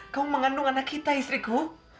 kau mengandung anak kita istriku